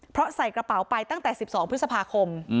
เพราะใส่กระเป๋าไปตั้งแต่๑๒พฤษภาคม